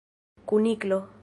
kuniklo